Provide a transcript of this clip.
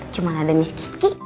cuman ada miss kiki